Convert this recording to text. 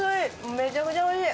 めちゃくちゃおいしい。